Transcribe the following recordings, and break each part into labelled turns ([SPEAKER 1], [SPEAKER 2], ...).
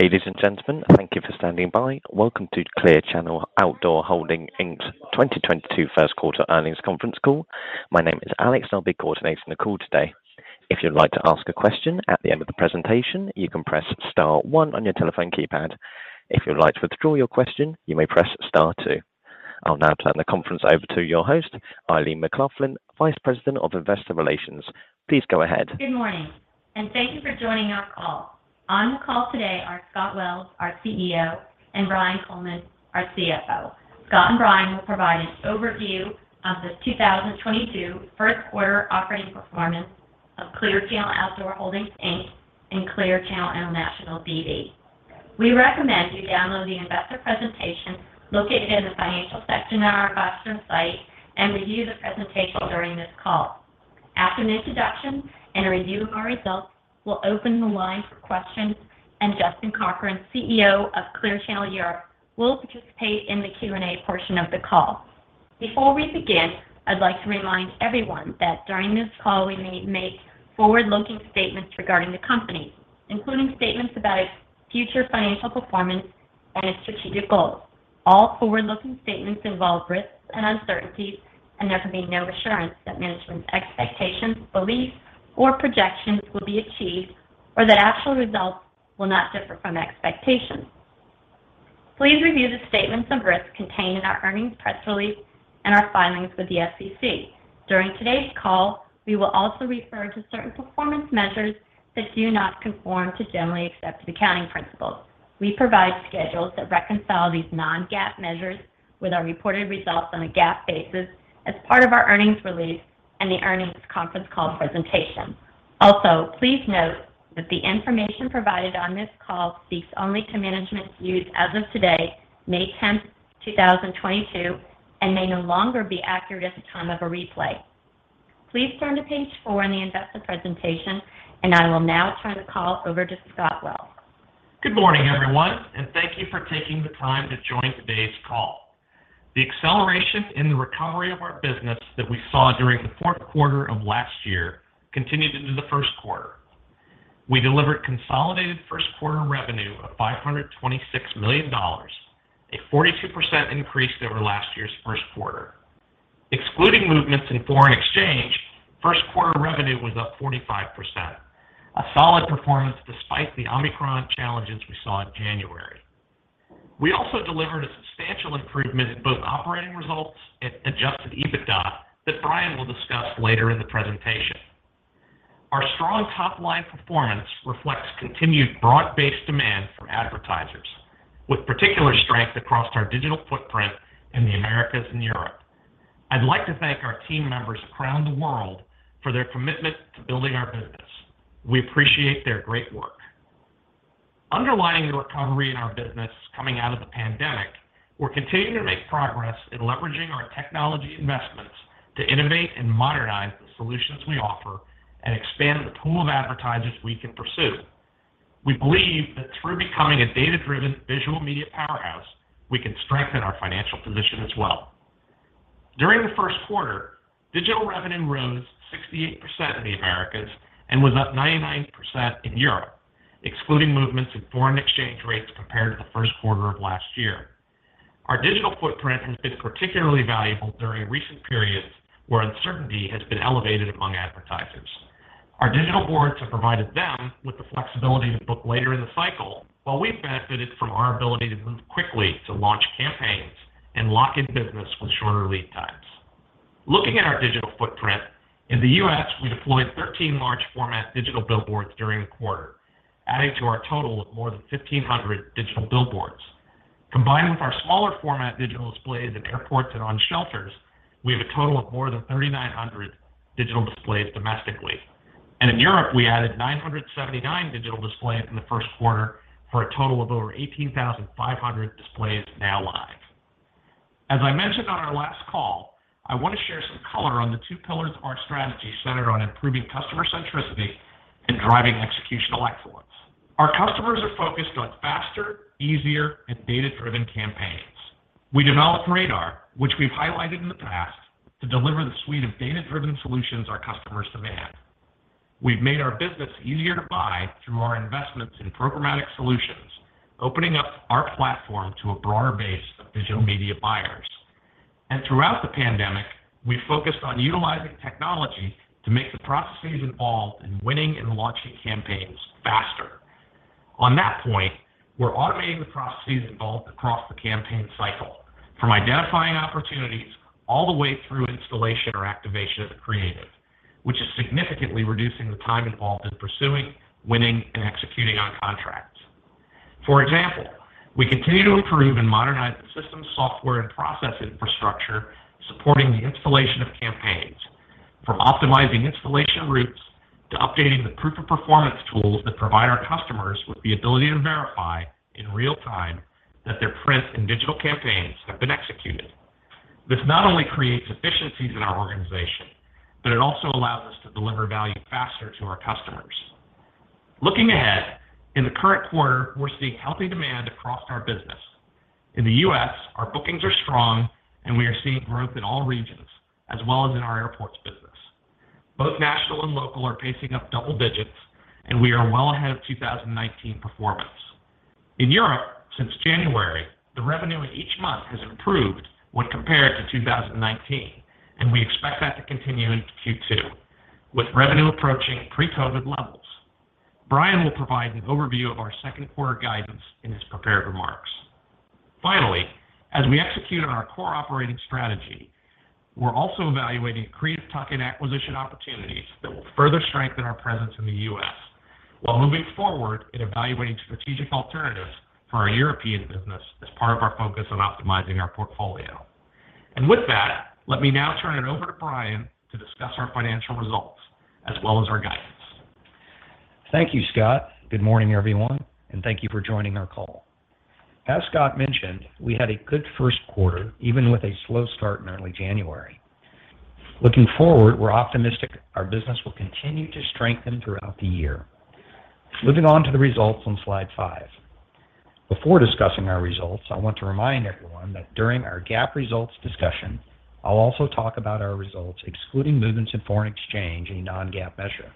[SPEAKER 1] Ladies and gentlemen, thank you for standing by. Welcome to Clear Channel Outdoor Holdings, Inc.'s 2022 first quarter earnings conference call. My name is Alex. I'll be coordinating the call today. If you'd like to ask a question at the end of the presentation, you can press star one on your telephone keypad. If you'd like to withdraw your question, you may press star two. I'll now turn the conference over to your host, Eileen McLaughlin, Vice President of Investor Relations. Please go ahead.
[SPEAKER 2] Good morning, and thank you for joining our call. On the call today are Scott Wells, our CEO, and Brian Coleman, our CFO. Scott and Brian will provide an overview of the 2022 first quarter operating performance of Clear Channel Outdoor Holdings, Inc. and Clear Channel International B.V. We recommend you download the investor presentation located in the Financial section on our investor site and review the presentation during this call. After an introduction and a review of our results, we'll open the line for questions, and Justin Cochrane, CEO of Clear Channel Europe, will participate in the Q&A portion of the call. Before we begin, I'd like to remind everyone that during this call we may make forward-looking statements regarding the company, including statements about its future financial performance and its strategic goals. All forward-looking statements involve risks and uncertainties, and there can be no assurance that management's expectations, beliefs, or projections will be achieved or that actual results will not differ from expectations. Please review the statements of risk contained in our earnings press release and our filings with the SEC. During today's call, we will also refer to certain performance measures that do not conform to generally accepted accounting principles. We provide schedules that reconcile these non-GAAP measures with our reported results on a GAAP basis as part of our earnings release and the earnings conference call presentation. Please note that the information provided on this call speaks only to management's views as of today, May tenth, two thousand and twenty-two, and may no longer be accurate at the time of a replay. Please turn to page four in the investor presentation, and I will now turn the call over to Scott Wells.
[SPEAKER 3] Good morning, everyone, and thank you for taking the time to join today's call. The acceleration in the recovery of our business that we saw during the fourth quarter of last year continued into the first quarter. We delivered consolidated first quarter revenue of $526 million, a 42% increase over last year's first quarter. Excluding movements in foreign exchange, first quarter revenue was up 45%. A solid performance despite the Omicron challenges we saw in January. We also delivered a substantial improvement in both operating results and Adjusted EBITDA that Brian will discuss later in the presentation. Our strong top-line performance reflects continued broad-based demand from advertisers with particular strength across our digital footprint in the Americas and Europe. I'd like to thank our team members around the world for their commitment to building our business. We appreciate their great work. Underlying the recovery in our business coming out of the pandemic, we're continuing to make progress in leveraging our technology investments to innovate and modernize the solutions we offer and expand the pool of advertisers we can pursue. We believe that through becoming a data-driven visual media powerhouse, we can strengthen our financial position as well. During the first quarter, digital revenue rose 68% in the Americas and was up 99% in Europe, excluding movements in foreign exchange rates compared to the first quarter of last year. Our digital footprint has been particularly valuable during recent periods where uncertainty has been elevated among advertisers. Our digital boards have provided them with the flexibility to book later in the cycle, while we've benefited from our ability to move quickly to launch campaigns and lock in business with shorter lead times. Looking at our digital footprint, in the U.S., we deployed 13 large format digital billboards during the quarter, adding to our total of more than 1,500 digital billboards. Combined with our smaller format digital displays in airports and on shelters, we have a total of more than 3,900 digital displays domestically. In Europe, we added 979 digital displays in the first quarter for a total of over 18,500 displays now live. As I mentioned on our last call, I want to share some color on the two pillars of our strategy centered on improving customer centricity and driving executional excellence. Our customers are focused on faster, easier, and data-driven campaigns. We developed Radar, which we've highlighted in the past, to deliver the suite of data-driven solutions our customers demand. We've made our business easier to buy through our investments in programmatic solutions, opening up our platform to a broader base of digital media buyers. Throughout the pandemic, we focused on utilizing technology to make the processes involved in winning and launching campaigns faster. On that point, we're automating the processes involved across the campaign cycle, from identifying opportunities all the way through installation or activation of the creative, which is significantly reducing the time involved in pursuing, winning, and executing on contracts. For example, we continue to improve and modernize the system software and process infrastructure supporting the installation of campaigns, from optimizing installation routes to updating the proof of performance tools that provide our customers with the ability to verify in real time that their print and digital campaigns have been executed. This not only creates efficiencies in our organization, but it also allows us to deliver value faster to our customers. Looking ahead, in the current quarter, we're seeing healthy demand across our business. In the U.S., our bookings are strong, and we are seeing growth in all regions, as well as in our airports business. Both national and local are pacing up double digits, and we are well ahead of 2019 performance. In Europe, since January, the revenue in each month has improved when compared to 2019, and we expect that to continue into Q2, with revenue approaching pre-COVID levels. Brian will provide an overview of our second quarter guidance in his prepared remarks. Finally, as we execute on our core operating strategy, we're also evaluating creative tuck-in acquisition opportunities that will further strengthen our presence in the U.S., while moving forward in evaluating strategic alternatives for our European business as part of our focus on optimizing our portfolio. With that, let me now turn it over to Brian to discuss our financial results as well as our guidance.
[SPEAKER 4] Thank you, Scott. Good morning, everyone, and thank you for joining our call. As Scott mentioned, we had a good first quarter, even with a slow start in early January. Looking forward, we're optimistic our business will continue to strengthen throughout the year. Moving on to the results on slide 5. Before discussing our results, I want to remind everyone that during our GAAP results discussion, I'll also talk about our results excluding movements in foreign exchange in a non-GAAP measure.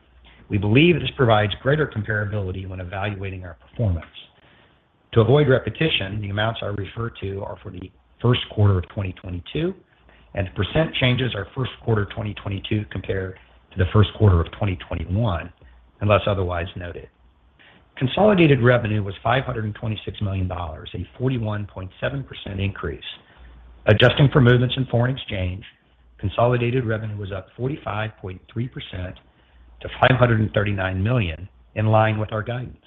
[SPEAKER 4] We believe this provides greater comparability when evaluating our performance. To avoid repetition, the amounts I refer to are for the first quarter of 2022, and the percent changes are first quarter 2022 compared to the first quarter of 2021, unless otherwise noted. Consolidated revenue was $526 million, a 41.7% increase. Adjusting for movements in foreign exchange, consolidated revenue was up 45.3% to $539 million, in line with our guidance.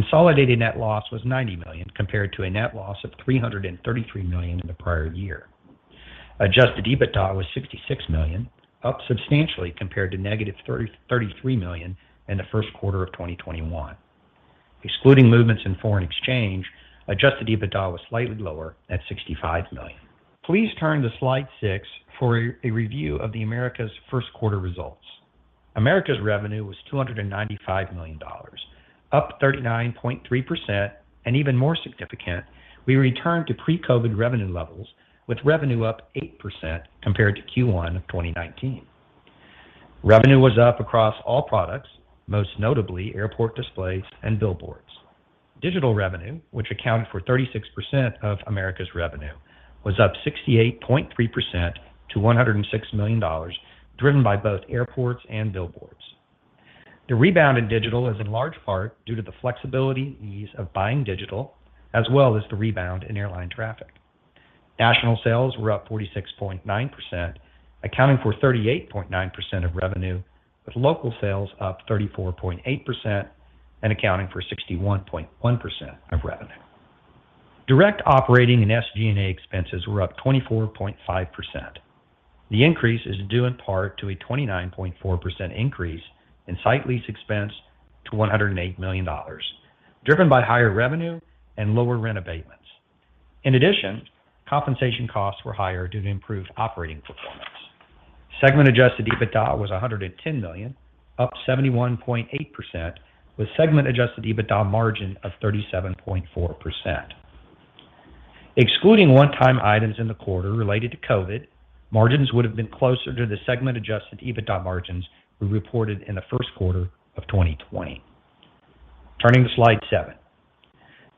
[SPEAKER 4] Consolidated net loss was $90 million compared to a net loss of $333 million in the prior year. Adjusted EBITDA was $66 million, up substantially compared to negative $33 million in the first quarter of 2021. Excluding movements in foreign exchange, Adjusted EBITDA was slightly lower at $65 million. Please turn to slide 6 for a review of the Americas first quarter results. Americas revenue was $295 million, up 39.3%, and even more significant, we returned to pre-COVID revenue levels with revenue up 8% compared to Q1 of 2019. Revenue was up across all products, most notably airport displays and billboards. Digital revenue, which accounted for 36% of Americas' revenue, was up 68.3% to $106 million, driven by both airports and billboards. The rebound in digital is in large part due to the flexibility and ease of buying digital, as well as the rebound in airline traffic. National sales were up 46.9%, accounting for 38.9% of revenue, with local sales up 34.8% and accounting for 61.1% of revenue. Direct operating and SG&A expenses were up 24.5%. The increase is due in part to a 29.4% increase in site lease expense to $108 million, driven by higher revenue and lower rent abatements. In addition, compensation costs were higher due to improved operating performance. Segment Adjusted EBITDA was $110 million, up 71.8%, with segment Adjusted EBITDA margin of 37.4%. Excluding one-time items in the quarter related to COVID, margins would have been closer to the segment Adjusted EBITDA margins we reported in the first quarter of 2020. Turning to slide seven.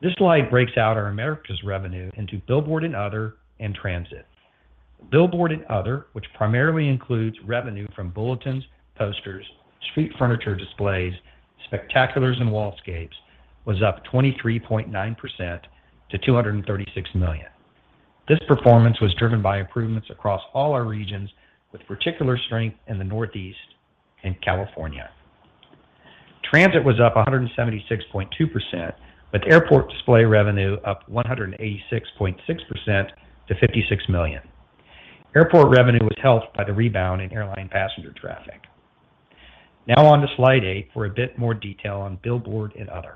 [SPEAKER 4] This slide breaks out our Americas revenue into billboard and other, and transit. Billboard and other, which primarily includes revenue from bulletins, posters, street furniture displays, spectaculars and wallscapes, was up 23.9% to $236 million. This performance was driven by improvements across all our regions, with particular strength in the Northeast and California. Transit was up 176.2%, with airport display revenue up 186.6% to $56 million. Airport revenue was helped by the rebound in airline passenger traffic. Now on to slide 8 for a bit more detail on billboard and other.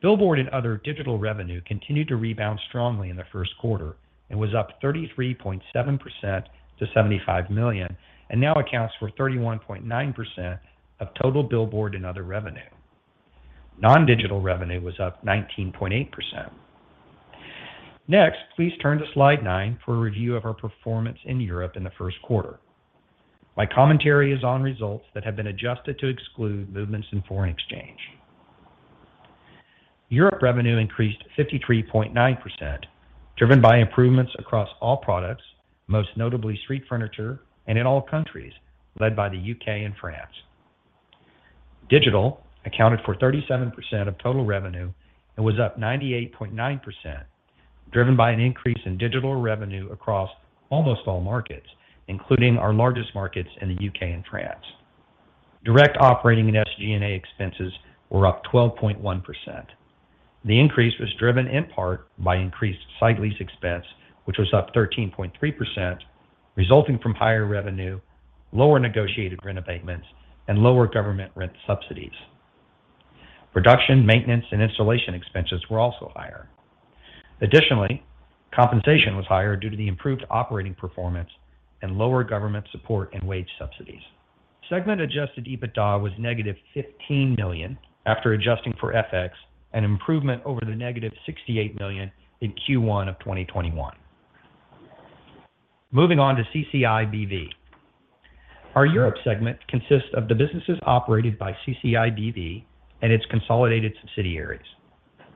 [SPEAKER 4] Billboard and other digital revenue continued to rebound strongly in the first quarter and was up 33.7% to $75 million, and now accounts for 31.9% of total billboard and other revenue. Non-digital revenue was up 19.8%. Next, please turn to slide 9 for a review of our performance in Europe in the first quarter. My commentary is on results that have been adjusted to exclude movements in foreign exchange. Europe revenue increased 53.9%, driven by improvements across all products, most notably street furniture and in all countries, led by the U.K. and France. Digital accounted for 37% of total revenue and was up 98.9%, driven by an increase in digital revenue across almost all markets, including our largest markets in the UK and France. Direct operating and SG&A expenses were up 12.1%. The increase was driven in part by increased site lease expense, which was up 13.3%, resulting from higher revenue, lower negotiated rent abatements, and lower government rent subsidies. Production, maintenance, and installation expenses were also higher. Additionally, compensation was higher due to the improved operating performance and lower government support and wage subsidies. Segment Adjusted EBITDA was -$15 million after adjusting for FX, an improvement over the -$68 million in Q1 of 2021. Moving on to CCIBV. Our Europe segment consists of the businesses operated by CCIBV and its consolidated subsidiaries.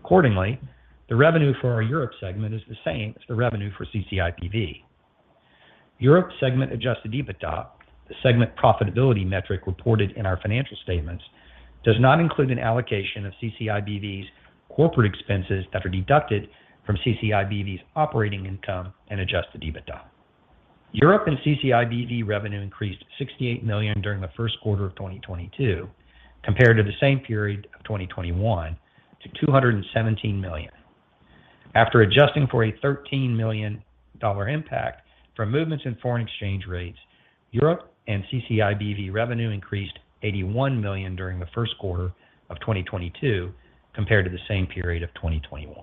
[SPEAKER 4] Accordingly, the revenue for our Europe segment is the same as the revenue for CCIBV. Europe segment Adjusted EBITDA, the segment profitability metric reported in our financial statements, does not include an allocation of CCIBV's corporate expenses that are deducted from CCIBV's operating income and Adjusted EBITDA. Europe and CCIBV revenue increased $68 million during the first quarter of 2022 compared to the same period of 2021 to $217 million. After adjusting for a $13 million impact from movements in foreign exchange rates, Europe and CCIBV revenue increased $81 million during the first quarter of 2022 compared to the same period of 2021.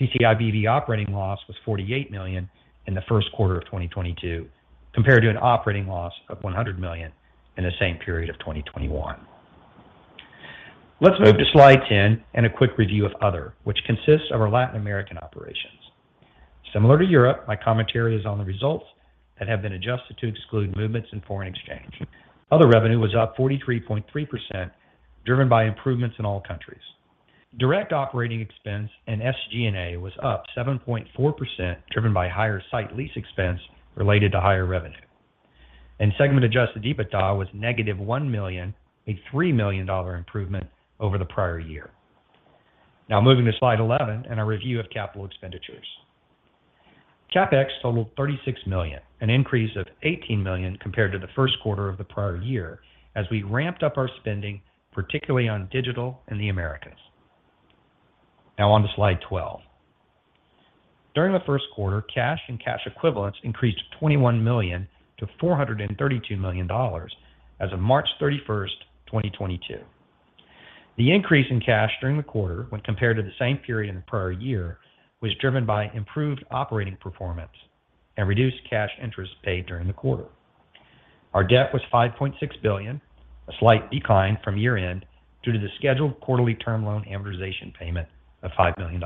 [SPEAKER 4] CCIBV operating loss was $48 million in the first quarter of 2022 compared to an operating loss of $100 million in the same period of 2021. Let's move to slide 10 and a quick review of other, which consists of our Latin American operations. Similar to Europe, my commentary is on the results that have been adjusted to exclude movements in foreign exchange. Other revenue was up 43.3%, driven by improvements in all countries. Direct operating expense and SG&A was up 7.4%, driven by higher site lease expense related to higher revenue. Segment Adjusted EBITDA was negative $1 million, a $3 million improvement over the prior year. Now moving to slide 11 and a review of capital expenditures. CapEx totaled $36 million, an increase of $18 million compared to the first quarter of the prior year as we ramped up our spending, particularly on digital in the Americas. Now on to slide 12. During the first quarter, cash and cash equivalents increased $21 million to $432 million as of March 31st, 2022. The increase in cash during the quarter when compared to the same period in the prior year was driven by improved operating performance and reduced cash interest paid during the quarter. Our debt was $5.6 billion, a slight decline from year-end due to the scheduled quarterly term loan amortization payment of $5 million.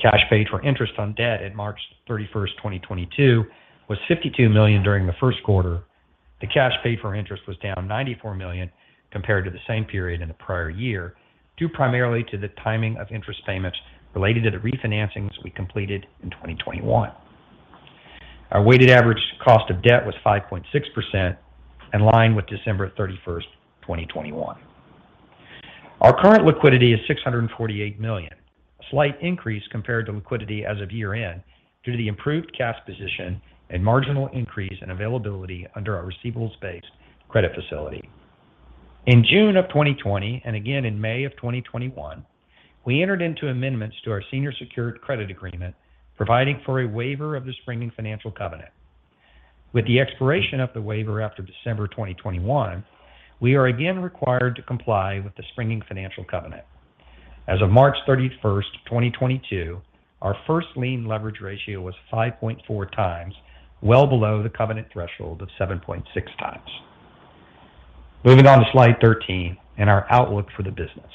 [SPEAKER 4] Cash paid for interest on debt at March 31st, 2022 was $52 million during the first quarter. The cash paid for interest was down $94 million compared to the same period in the prior year, due primarily to the timing of interest payments related to the refinancings we completed in 2021. Our weighted average cost of debt was 5.6%, in line with December 31st, 2021. Our current liquidity is $648 million, a slight increase compared to liquidity as of year-end due to the improved cash position and marginal increase in availability under our receivables-based credit facility. In June 2020 and again in May 2021, we entered into amendments to our senior secured credit agreement, providing for a waiver of the springing financial covenant. With the expiration of the waiver after December 2021, we are again required to comply with the springing financial covenant. As of March 31st, 2022, our first lien leverage ratio was 5.4x, well below the covenant threshold of 7.6x. Moving on to slide 13 and our outlook for the business.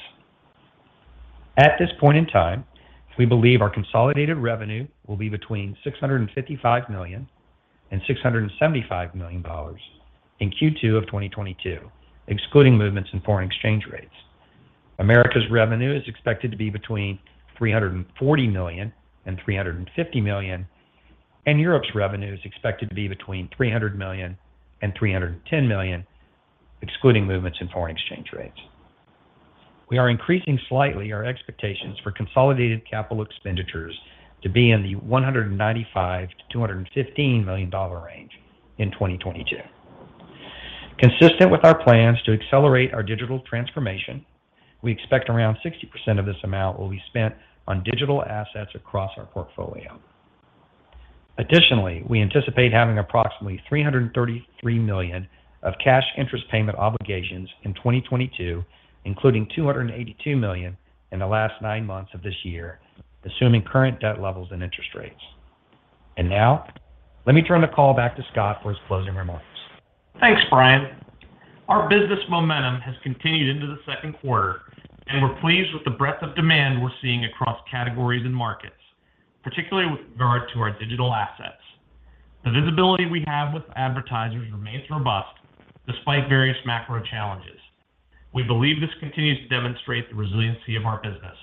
[SPEAKER 4] At this point in time, we believe our consolidated revenue will be between $655 million and $675 million in Q2 of 2022, excluding movements in foreign exchange rates. America's revenue is expected to be between $340 million and $350 million, and Europe's revenue is expected to be between $300 million and $310 million, excluding movements in foreign exchange rates. We are increasing slightly our expectations for consolidated capital expenditures to be in the $195 million-$215 million range in 2022. Consistent with our plans to accelerate our digital transformation, we expect around 60% of this amount will be spent on digital assets across our portfolio. Additionally, we anticipate having approximately $333 million of cash interest payment obligations in 2022, including $282 million in the last nine months of this year, assuming current debt levels and interest rates. Now, let me turn the call back to Scott for his closing remarks.
[SPEAKER 3] Thanks, Brian. Our business momentum has continued into the second quarter, and we're pleased with the breadth of demand we're seeing across categories and markets, particularly with regard to our digital assets. The visibility we have with advertisers remains robust despite various macro challenges. We believe this continues to demonstrate the resiliency of our business.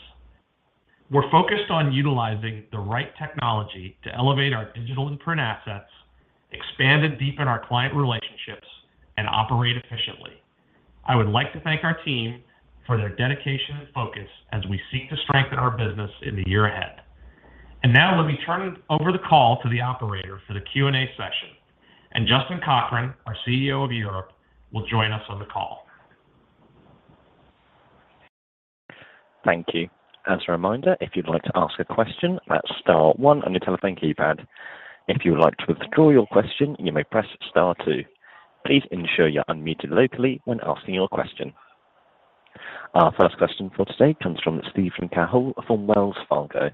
[SPEAKER 3] We're focused on utilizing the right technology to elevate our digital and print assets, expand and deepen our client relationships, and operate efficiently. I would like to thank our team for their dedication and focus as we seek to strengthen our business in the year ahead. Now let me turn over the call to the operator for the Q&A session. Justin Cochrane, our CEO of Europe, will join us on the call.
[SPEAKER 1] Thank you. As a reminder, if you'd like to ask a question, that's star one on your telephone keypad. If you would like to withdraw your question, you may press star two. Please ensure you're unmuted locally when asking your question. Our first question for today comes from Steven Cahall from Wells Fargo.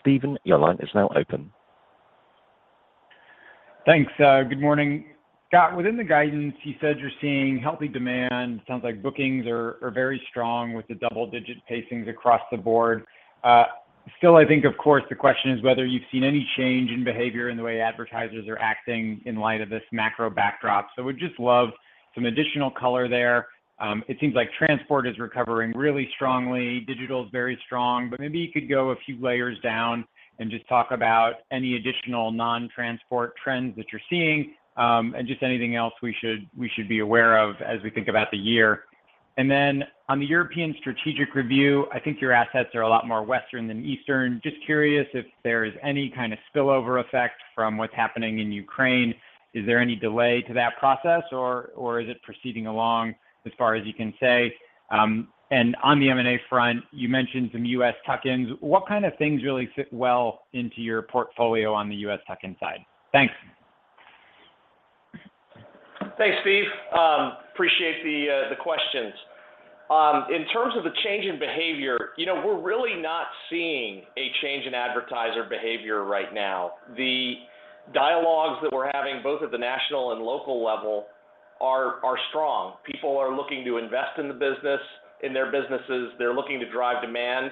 [SPEAKER 1] Steven, your line is now open.
[SPEAKER 5] Thanks. Good morning. Scott, within the guidance, you said you're seeing healthy demand. Sounds like bookings are very strong with the double-digit pacings across the board. Still, I think of course, the question is whether you've seen any change in behavior in the way advertisers are acting in light of this macro backdrop. Would just love some additional color there. It seems like transport is recovering really strongly. Digital is very strong, but maybe you could go a few layers down and just talk about any additional non-transport trends that you're seeing, and just anything else we should be aware of as we think about the year. On the European strategic review, I think your assets are a lot more Western than Eastern. Just curious if there is any kind of spillover effect from what's happening in Ukraine. Is there any delay to that process or is it proceeding along as far as you can say? On the M&A front, you mentioned some US tuck-ins. What kind of things really fit well into your portfolio on the US tuck-in side? Thanks.
[SPEAKER 3] Thanks, Steve. Appreciate the questions. In terms of the change in behavior, you know, we're really not seeing a change in advertiser behavior right now. The dialogues that we're having both at the national and local level are strong. People are looking to invest in the business, in their businesses. They're looking to drive demand.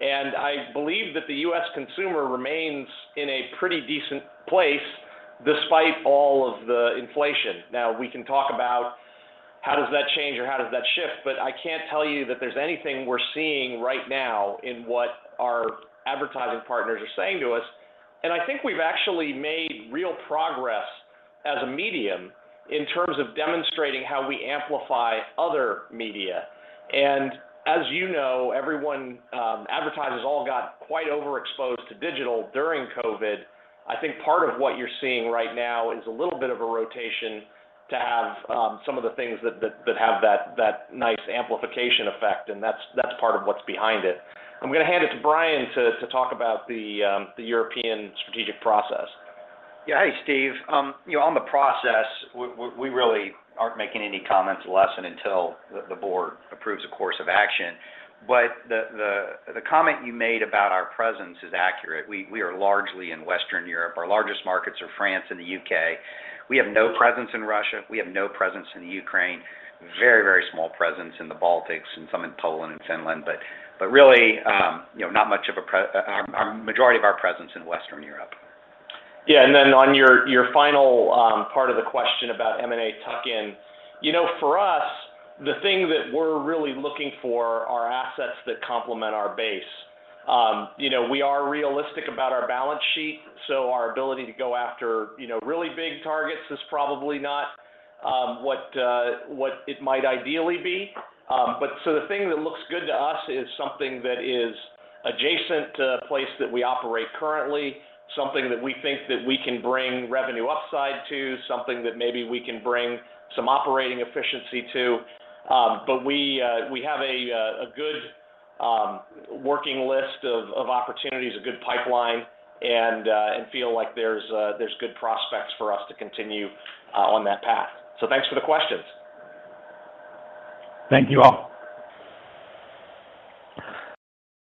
[SPEAKER 3] I believe that the U.S. consumer remains in a pretty decent place despite all of the inflation. Now, we can talk about how does that change or how does that shift, but I can't tell you that there's anything we're seeing right now in what our advertising partners are saying to us. I think we've actually made real progress as a medium in terms of demonstrating how we amplify other media. As you know, everyone, advertisers all got quite overexposed to digital during COVID. I think part of what you're seeing right now is a little bit of a rotation to have some of the things that have that nice amplification effect, and that's part of what's behind it. I'm gonna hand it to Brian to talk about the European strategic process.
[SPEAKER 4] Yeah. Hey, Steve. You know, on the process, we really aren't making any comments unless and until the board approves a course of action. The comment you made about our presence is accurate. We are largely in Western Europe. Our largest markets are France and the U.K. We have no presence in Russia. We have no presence in the Ukraine. Very small presence in the Baltics and some in Poland and Finland. Really, you know, the majority of our presence in Western Europe.
[SPEAKER 3] Yeah. Then on your final part of the question about M&A tuck-in. You know, for us, the thing that we're really looking for are assets that complement our base. You know, we are realistic about our balance sheet, so our ability to go after, you know, really big targets is probably not what it might ideally be. But so the thing that looks good to us is something that is adjacent to a place that we operate currently, something that we think that we can bring revenue upside to, something that maybe we can bring some operating efficiency to. But we have a good working list of opportunities, a good pipeline, and feel like there's good prospects for us to continue on that path. Thanks for the questions.
[SPEAKER 4] Thank you all.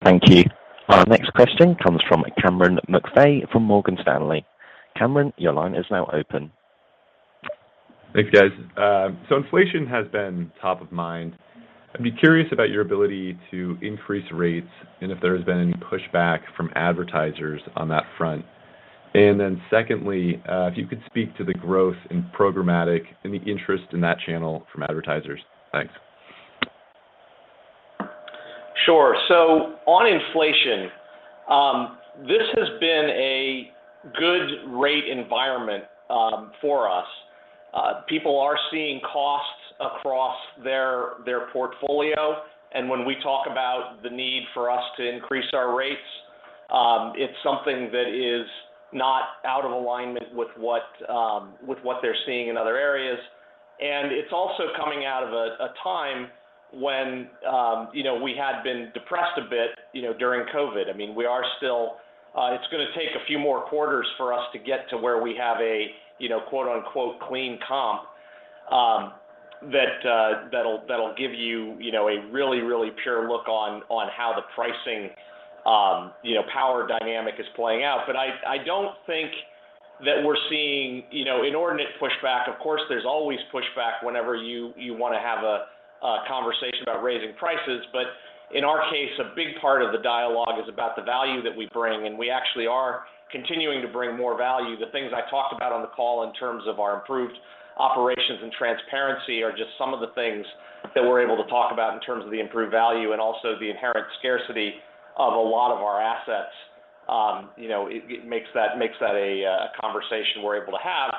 [SPEAKER 1] Thank you. Our next question comes from Cameron McVeigh from Morgan Stanley. Cameron, your line is now open.
[SPEAKER 6] Thanks, guys. Inflation has been top of mind. I'd be curious about your ability to increase rates and if there has been any pushback from advertisers on that front. Secondly, if you could speak to the growth in programmatic and the interest in that channel from advertisers. Thanks.
[SPEAKER 3] Sure. On inflation, this has been a good rate environment for us. People are seeing costs across their portfolio, and when we talk about the need for us to increase our rates, it's something that is not out of alignment with what they're seeing in other areas. It's also coming out of a time when, you know, we had been depressed a bit, you know, during COVID. I mean, we are still. It's gonna take a few more quarters for us to get to where we have a, you know, quote-unquote, "clean comp," that'll give you know, a really pure look on how the pricing, you know, power dynamic is playing out. I don't think that we're seeing, you know, inordinate pushback. Of course, there's always pushback whenever you wanna have a conversation about raising prices. In our case, a big part of the dialogue is about the value that we bring, and we actually are continuing to bring more value. The things I talked about on the call in terms of our improved operations and transparency are just some of the things that we're able to talk about in terms of the improved value and also the inherent scarcity of a lot of our assets. You know, it makes that a conversation we're able to have.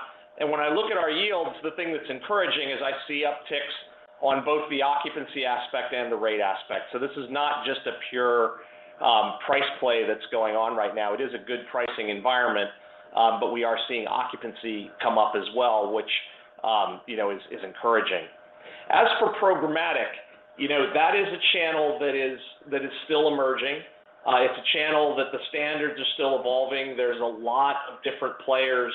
[SPEAKER 3] When I look at our yields, the thing that's encouraging is I see upticks on both the occupancy aspect and the rate aspect. This is not just a pure price play that's going on right now. It is a good pricing environment, but we are seeing occupancy come up as well, which, you know, is encouraging. As for programmatic, you know, that is a channel that is still emerging. It's a channel that the standards are still evolving. There's a lot of different players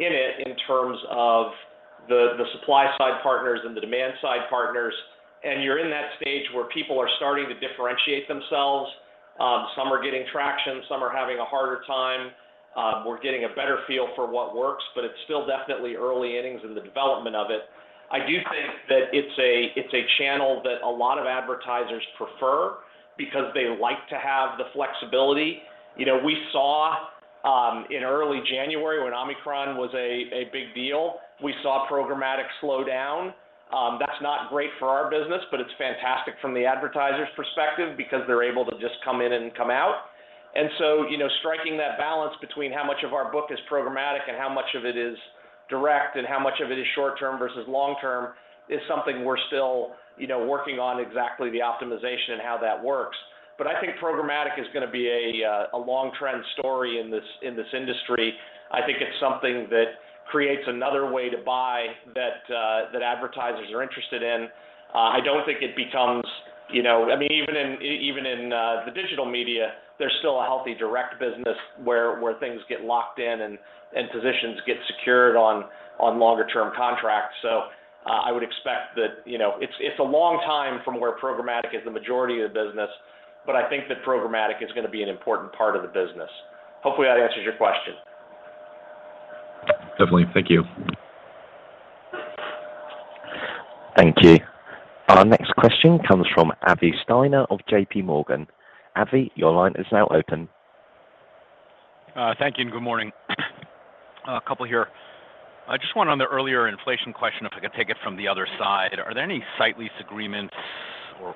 [SPEAKER 3] in it in terms of the supply side partners and the demand side partners, and you're in that stage where people are starting to differentiate themselves. Some are getting traction, some are having a harder time. We're getting a better feel for what works, but it's still definitely early innings in the development of it. I do think that it's a channel that a lot of advertisers prefer because they like to have the flexibility. You know, we saw in early January when Omicron was a big deal, we saw programmatic slowdown. That's not great for our business, but it's fantastic from the advertiser's perspective because they're able to just come in and come out. You know, striking that balance between how much of our book is programmatic and how much of it is direct, and how much of it is short term versus long term is something we're still, you know, working on exactly the optimization and how that works. I think programmatic is gonna be a long trend story in this industry. I think it's something that creates another way to buy that advertisers are interested in. I don't think it becomes. You know, I mean, even in the digital media, there's still a healthy direct business where things get locked in and positions get secured on longer term contracts. I would expect that, you know. It's a long time from where programmatic is the majority of the business, but I think that programmatic is gonna be an important part of the business. Hopefully, that answers your question.
[SPEAKER 6] Definitely. Thank you.
[SPEAKER 1] Thank you. Our next question comes from Avi Steiner of J.P. Morgan. Avi, your line is now open.
[SPEAKER 7] Thank you and good morning. A couple here. I just wonder on the earlier inflation question, if I could take it from the other side. Are there any site lease agreements or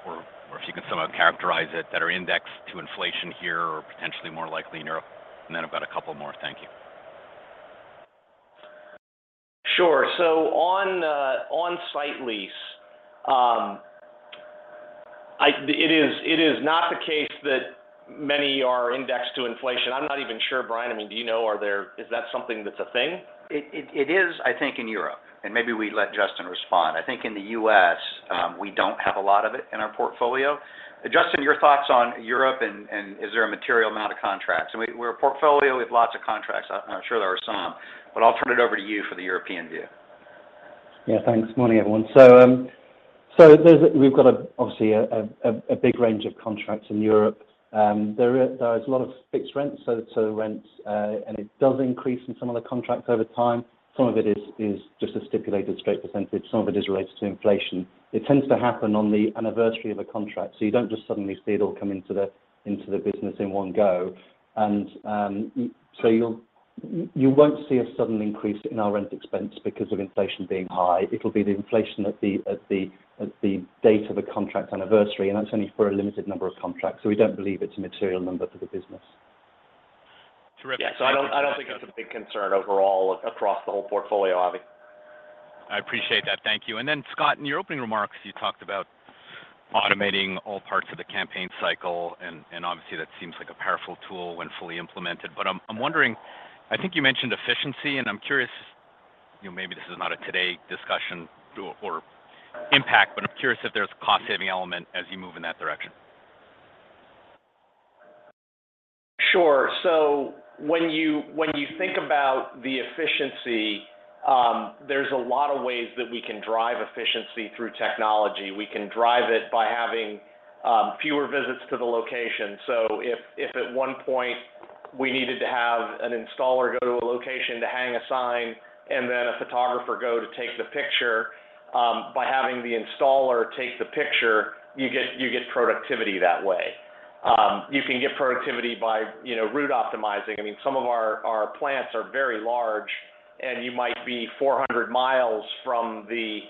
[SPEAKER 7] if you can somehow characterize it, that are indexed to inflation here or potentially more likely in Europe? Then I've got a couple more. Thank you.
[SPEAKER 3] Sure. On-site lease, it is not the case that many are indexed to inflation. I'm not even sure, Brian. I mean, do you know, is that something that's a thing?
[SPEAKER 4] It is, I think, in Europe, and maybe we let Justin respond. I think in the US, we don't have a lot of it in our portfolio. Justin, your thoughts on Europe and is there a material amount of contracts? We're a portfolio with lots of contracts. I'm sure there are some, but I'll turn it over to you for the European view.
[SPEAKER 8] Yeah. Thanks. Morning, everyone. We've got obviously a big range of contracts in Europe. There is a lot of fixed rents, so rents, and it does increase in some of the contracts over time. Some of it is just a stipulated straight percentage. Some of it is related to inflation. It tends to happen on the anniversary of a contract, so you don't just suddenly see it all come into the business in one go. You won't see a sudden increase in our rent expense because of inflation being high. It'll be the inflation at the date of the contract anniversary, and that's only for a limited number of contracts. We don't believe it's a material number for the business.
[SPEAKER 7] Terrific.
[SPEAKER 4] Yeah. I don't think it's a big concern overall across the whole portfolio, Avi.
[SPEAKER 7] I appreciate that. Thank you. Then, Scott, in your opening remarks, you talked about automating all parts of the campaign cycle, and obviously that seems like a powerful tool when fully implemented. I'm wondering, I think you mentioned efficiency, and I'm curious, you know, maybe this is not a today discussion or impact, but I'm curious if there's a cost-saving element as you move in that direction.
[SPEAKER 3] When you think about the efficiency, there's a lot of ways that we can drive efficiency through technology. We can drive it by having fewer visits to the location. If at one point we needed to have an installer go to a location to hang a sign and then a photographer go to take the picture, by having the installer take the picture, you get productivity that way. You can get productivity by, you know, route optimizing. I mean, some of our plants are very large, and you might be 400 mi from the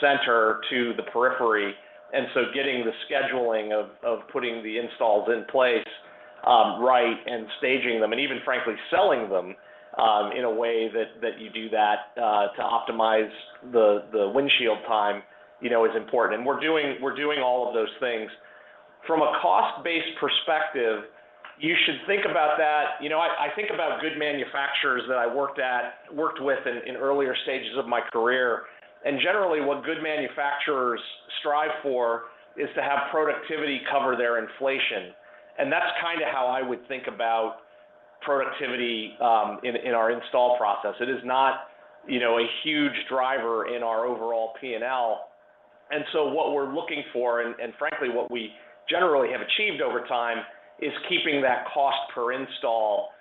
[SPEAKER 3] center to the periphery. Getting the scheduling of putting the installs in place right and staging them and even frankly selling them in a way that you do that to optimize the windshield time, you know, is important. We're doing all of those things. From a cost-based perspective, you should think about that. You know, I think about good manufacturers that I worked with in earlier stages of my career. Generally, what good manufacturers strive for is to have productivity cover their inflation. That's kinda how I would think about productivity in our install process. It is not, you know, a huge driver in our overall P&L. What we're looking for and frankly what we generally have achieved over time is keeping that cost per install,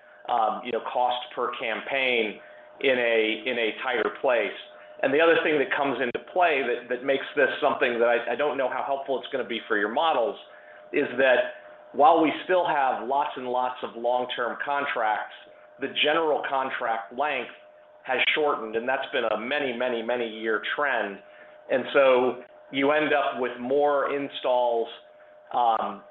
[SPEAKER 3] you know, cost per campaign in a tighter place. The other thing that comes into play that makes this something that I don't know how helpful it's gonna be for your models is that while we still have lots and lots of long-term contracts, the general contract length has shortened, and that's been a many-year trend. You end up with more installs,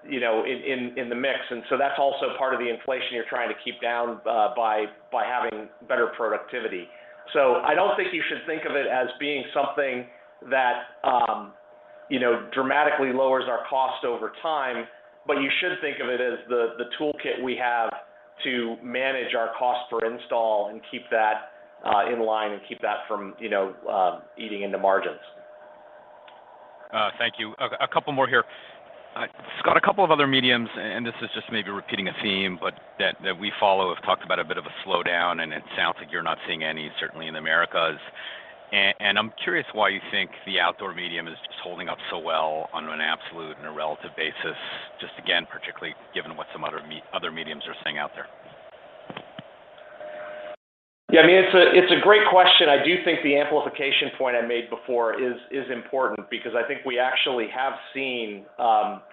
[SPEAKER 3] you know, in the mix, and so that's also part of the inflation you're trying to keep down by having better productivity. I don't think you should think of it as being something that, you know, dramatically lowers our cost over time, but you should think of it as the toolkit we have to manage our cost per install and keep that in line and keep that from, you know, eating into margins.
[SPEAKER 7] Thank you. A couple more here. Scott, a couple of other mediums, and this is just maybe repeating a theme, but that we follow, have talked about a bit of a slowdown, and it sounds like you're not seeing any, certainly in Americas. And I'm curious why you think the outdoor medium is just holding up so well on an absolute and a relative basis, just again, particularly given what some other mediums are saying out there.
[SPEAKER 3] Yeah, I mean, it's a great question. I do think the amplification point I made before is important because I think we actually have seen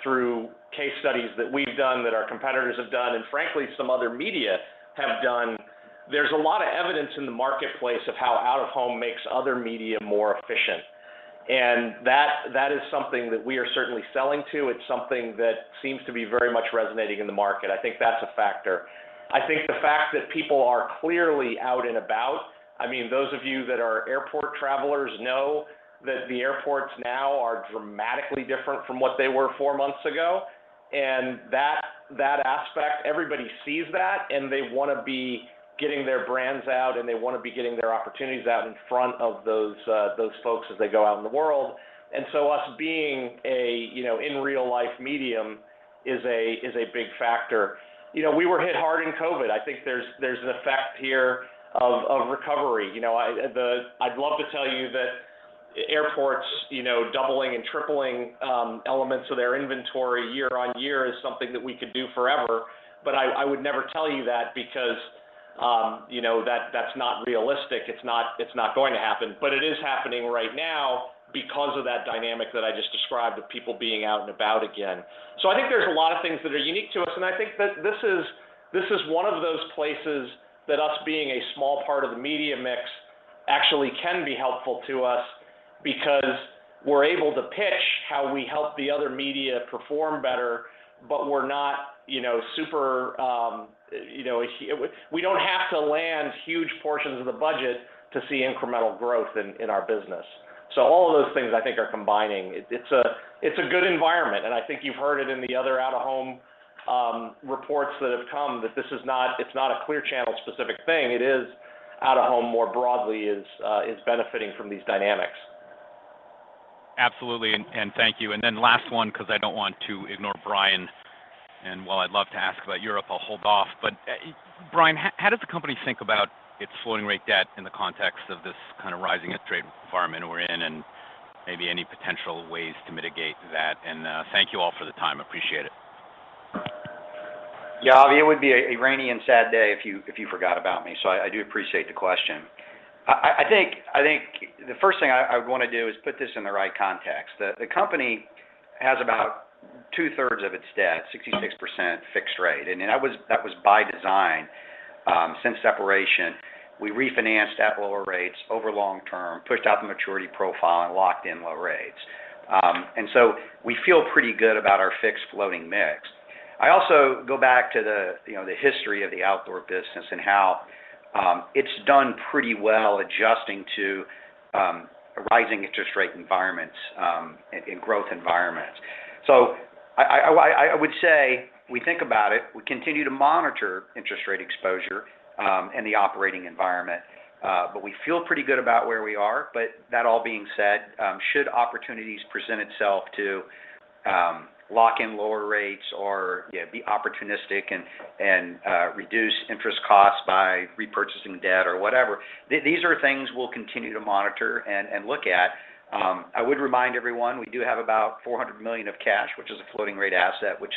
[SPEAKER 3] through case studies that we've done, that our competitors have done, and frankly, some other media have done, there's a lot of evidence in the marketplace of how out-of-home makes other media more efficient. That is something that we are certainly selling to. It's something that seems to be very much resonating in the market. I think that's a factor. I think the fact that people are clearly out and about, I mean, those of you that are airport travelers know that the airports now are dramatically different from what they were four months ago. That aspect, everybody sees that, and they wanna be getting their brands out, and they wanna be getting their opportunities out in front of those folks as they go out in the world. Us being a, you know, in real life medium is a big factor. You know, we were hit hard in COVID. I think there's an effect here of recovery. You know, I'd love to tell you that airports, you know, doubling and tripling elements of their inventory year-on-year is something that we could do forever. I would never tell you that because, you know, that's not realistic. It's not going to happen. It is happening right now because of that dynamic that I just described of people being out and about again. I think there's a lot of things that are unique to us, and I think that this is one of those places that us being a small part of the media mix actually can be helpful to us because we're able to pitch how we help the other media perform better, but we're not, you know, super, you know. We don't have to land huge portions of the budget to see incremental growth in our business. All of those things I think are combining. It's a good environment, and I think you've heard it in the other out-of-home reports that have come that it's not a Clear Channel specific thing. It is out-of-home more broadly is benefiting from these dynamics.
[SPEAKER 7] Absolutely. Thank you. Last one, 'cause I don't want to ignore Brian. While I'd love to ask about Europe, I'll hold off. Brian, how does the company think about its floating rate debt in the context of this kind of rising interest rate environment we're in, and maybe any potential ways to mitigate that? Thank you all for the time. Appreciate it.
[SPEAKER 3] Yeah. Avi, it would be a rainy and sad day if you forgot about me. I do appreciate the question. I think the first thing I would wanna do is put this in the right context. The company has about two-thirds of its debt, 66% fixed rate, and that was by design. Since separation, we refinanced at lower rates over long term, pushed out the maturity profile, and locked in low rates. We feel pretty good about our fixed floating mix. I also go back to you know, the history of the outdoor business and how it's done pretty well adjusting to rising interest rate environments in growth environments. I would say we think about it. We continue to monitor interest rate exposure, and the operating environment. We feel pretty good about where we are. That all being said, should opportunities present itself to, lock in lower rates or, you know, be opportunistic and, reduce interest costs by repurchasing debt or whatever, these are things we'll continue to monitor and look at. I would remind everyone, we do have about $400 million of cash, which is a floating rate asset, which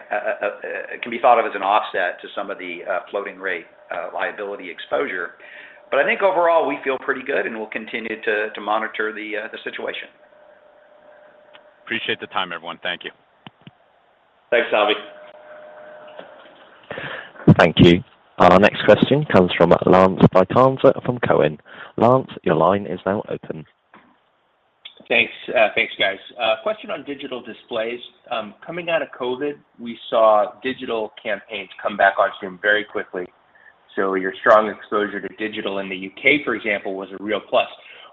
[SPEAKER 3] can be thought of as an offset to some of the floating rate liability exposure. I think overall we feel pretty good, and we'll continue to monitor the situation.
[SPEAKER 7] Appreciate the time, everyone. Thank you.
[SPEAKER 3] Thanks, Avi.
[SPEAKER 1] Thank you. Our next question comes from Lance Vitanza from Cowen. Lance, your line is now open.
[SPEAKER 9] Thanks. Thanks, guys. A question on digital displays. Coming out of COVID, we saw digital campaigns come back on stream very quickly. Your strong exposure to digital in the U.K., for example, was a real plus.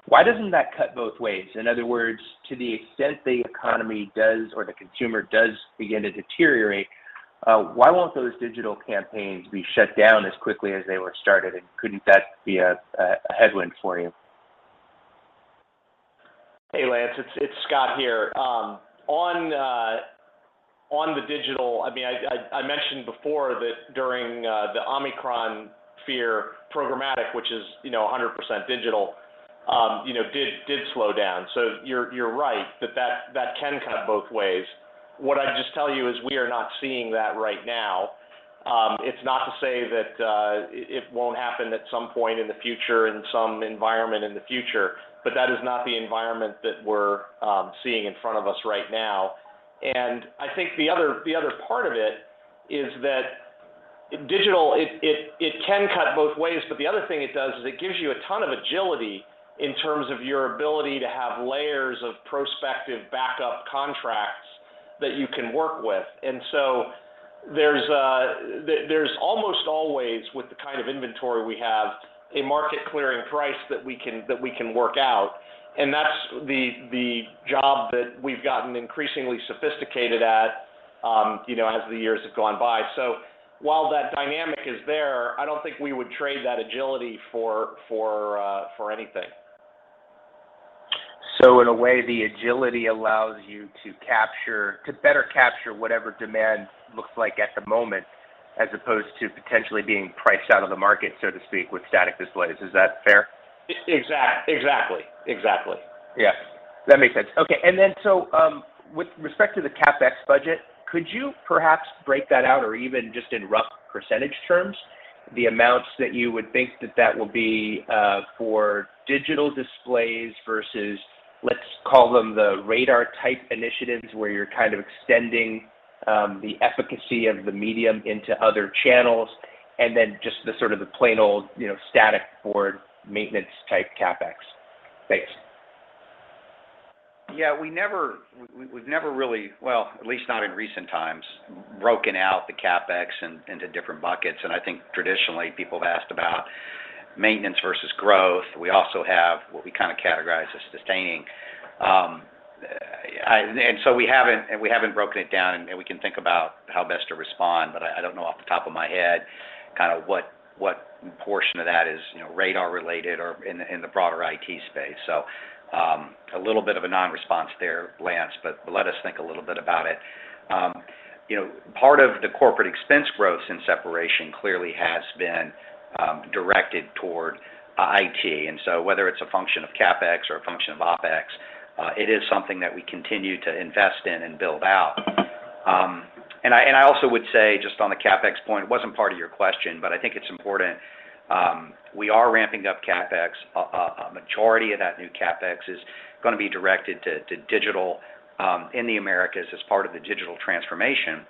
[SPEAKER 9] Why doesn't that cut both ways? In other words, to the extent the economy does or the consumer does begin to deteriorate, why won't those digital campaigns be shut down as quickly as they were started? Couldn't that be a headwind for you?
[SPEAKER 3] Hey, Lance. It's Scott here. On the digital, I mean, I mentioned before that during the Omicron fear, programmatic, which is, you know, 100% digital, you know, did slow down. You're right that that can cut both ways. What I'd just tell you is we are not seeing that right now. It's not to say that it won't happen at some point in the future, in some environment in the future, but that is not the environment that we're seeing in front of us right now. I think the other part of it is that digital, it can cut both ways, but the other thing it does is it gives you a ton of agility in terms of your ability to have layers of prospective backup contracts that you can work with. There's almost always, with the kind of inventory we have, a market clearing price that we can work out, and that's the job that we've gotten increasingly sophisticated at.
[SPEAKER 4] you know, as the years have gone by. While that dynamic is there, I don't think we would trade that agility for anything.
[SPEAKER 9] In a way, the agility allows you to better capture whatever demand looks like at the moment as opposed to potentially being priced out of the market, so to speak, with static displays. Is that fair?
[SPEAKER 4] Exactly.
[SPEAKER 9] Yeah. That makes sense. Okay. With respect to the CapEx budget, could you perhaps break that out or even just in rough percentage terms, the amounts that you would think that that will be for digital displays versus, let's call them the radar-type initiatives, where you're kind of extending the efficacy of the medium into other channels, and then just the sort of plain old, you know, static board maintenance type CapEx? Thanks.
[SPEAKER 4] Yeah, we've never really, well, at least not in recent times, broken out the CapEx into different buckets. I think traditionally people have asked about maintenance versus growth. We also have what we kind of categorize as sustaining. We haven't broken it down, and we can think about how best to respond, but I don't know off the top of my head kind of what portion of that is, you know, RADAR related or in the broader IT space. A little bit of a non-response there, Lance, but let us think a little bit about it. You know, part of the corporate expense growth since separation clearly has been directed toward IT. Whether it's a function of CapEx or a function of OpEx, it is something that we continue to invest in and build out. I also would say just on the CapEx point, it wasn't part of your question, but I think it's important. We are ramping up CapEx. A majority of that new CapEx is gonna be directed to digital in the Americas as part of the digital transformation.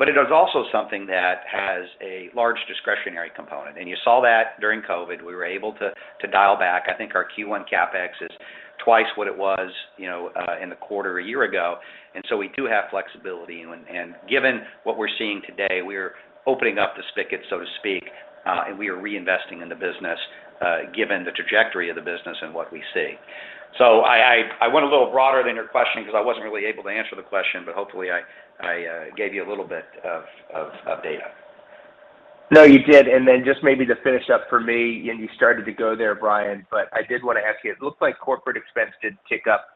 [SPEAKER 4] It is also something that has a large discretionary component. You saw that during COVID. We were able to dial back. I think our Q1 CapEx is twice what it was, you know, in the quarter a year ago. We do have flexibility. Given what we're seeing today, we're opening up the spigot, so to speak, and we are reinvesting in the business, given the trajectory of the business and what we see. I went a little broader than your question because I wasn't really able to answer the question, but hopefully I gave you a little bit of data.
[SPEAKER 9] No, you did. Just maybe to finish up for me, you started to go there, Brian, but I did wanna ask you, it looks like corporate expense did tick up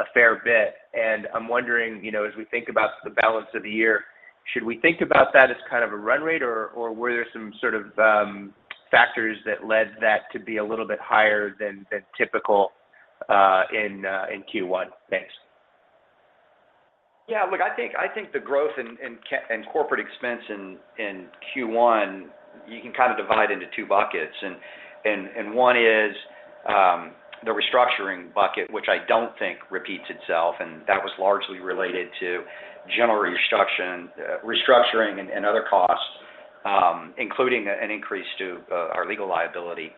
[SPEAKER 9] a fair bit. I'm wondering, you know, as we think about the balance of the year, should we think about that as kind of a run rate or were there some sort of factors that led that to be a little bit higher than typical in Q1? Thanks.
[SPEAKER 4] Yeah. Look, I think the growth in corporate expense in Q1, you can kind of divide into two buckets. One is the restructuring bucket, which I don't think repeats itself, and that was largely related to general restructuring and other costs, including an increase in our legal liabilities.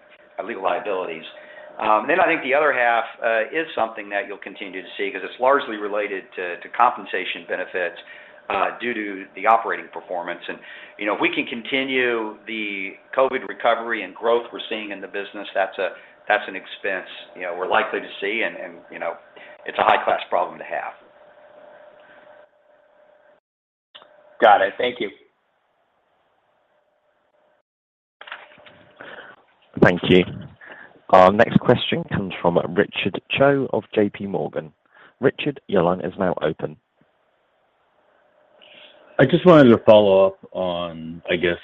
[SPEAKER 4] Then I think the other half is something that you'll continue to see 'cause it's largely related to compensation benefits due to the operating performance. You know, if we can continue the COVID recovery and growth we're seeing in the business, that's an expense you know, we're likely to see and you know, it's a high-class problem to have.
[SPEAKER 9] Got it. Thank you.
[SPEAKER 1] Thank you. Our next question comes from Richard Choe of J.P. Morgan. Richard, your line is now open.
[SPEAKER 10] I just wanted to follow up on, I guess,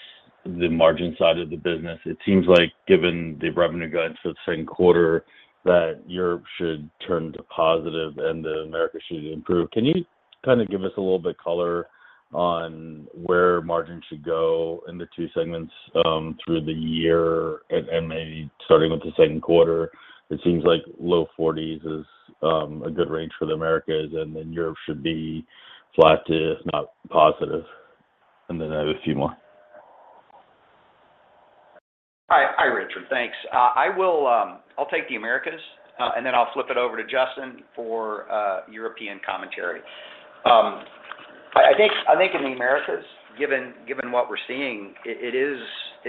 [SPEAKER 10] the margin side of the business. It seems like given the revenue guidance for the second quarter, that Europe should turn to positive and the Americas should improve. Can you kind of give us a little bit of color on where margins should go in the two segments through the year and maybe starting with the second quarter? It seems like low 40s% is a good range for the Americas, and then Europe should be flat to, if not positive. I have a few more.
[SPEAKER 4] Hi. Hi, Richard. Thanks. I will, I'll take the Americas, and then I'll flip it over to Justin for European commentary. I think in the Americas, given what we're seeing, it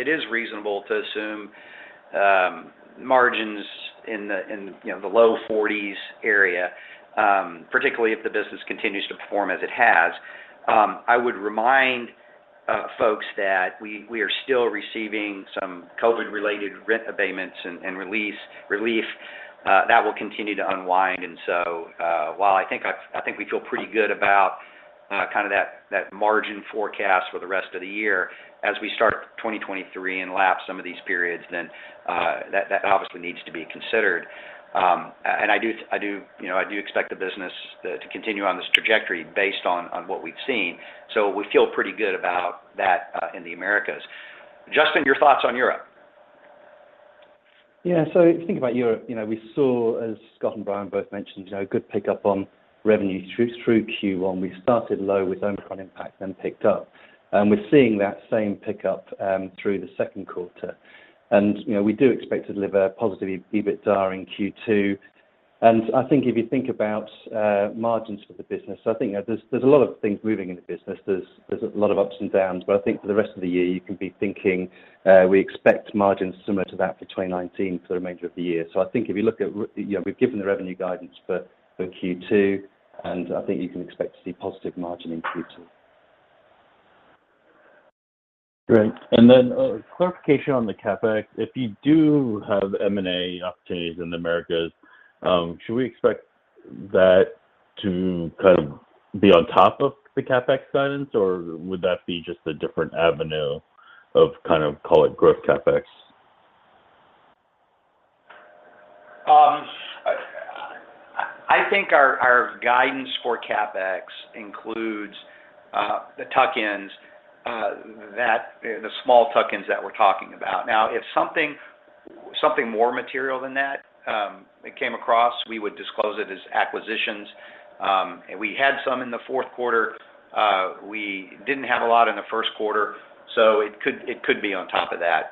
[SPEAKER 4] is reasonable to assume margins in you know, the low forties area, particularly if the business continues to perform as it has. I would remind folks that we are still receiving some COVID-related rent abatements and relief. That will continue to unwind. While I think we feel pretty good about kind of that margin forecast for the rest of the year as we start 2023 and lap some of these periods, that obviously needs to be considered. I do, you know, expect the business to continue on this trajectory based on what we've seen. We feel pretty good about that in the Americas. Justin, your thoughts on Europe?
[SPEAKER 8] Yeah. If you think about Europe, you know, we saw, as Scott and Brian both mentioned, you know, good pickup on revenue through Q1. We started low with Omicron impact, then picked up. We're seeing that same pickup through the second quarter. You know, we do expect to deliver a positive EBITDAR in Q2. I think if you think about margins for the business, I think there's a lot of things moving in the business. There's a lot of ups and downs. I think for the rest of the year, you can be thinking we expect margins similar to that for 2019 for the remainder of the year. I think if you look at you know, we've given the revenue guidance for Q2, and I think you can expect to see positive margin in Q2.
[SPEAKER 10] Great. Clarification on the CapEx. If you do have M&A opportunities in the Americas, should we expect that to kind of be on top of the CapEx guidance, or would that be just a different avenue of kind of call it growth CapEx?
[SPEAKER 3] I think our guidance for CapEx includes the tuck-ins, the small tuck-ins that we're talking about. Now, if something more material than that, it came across, we would disclose it as acquisitions. We had some in the fourth quarter. We didn't have a lot in the first quarter, so it could be on top of that.